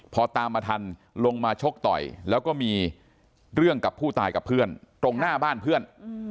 พอตามมาทันลงมาชกต่อยแล้วก็มีเรื่องกับผู้ตายกับเพื่อนตรงหน้าบ้านเพื่อน